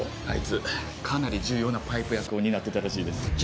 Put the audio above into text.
あいつかなり重要なパイプ役を担ってたらしいです。